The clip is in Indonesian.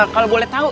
kalau boleh tau